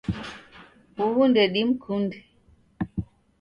Uhu ndedimkunde.